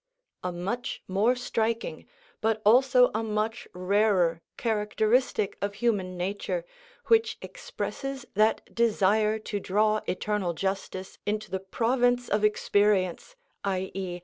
A much more striking, but also a much rarer, characteristic of human nature, which expresses that desire to draw eternal justice into the province of experience, _i.e.